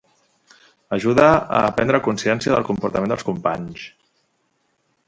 ajuda a prendre consciència del comportament dels companys